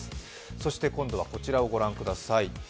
そして今度はこちらをご覧ください。